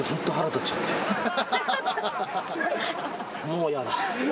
もうやだ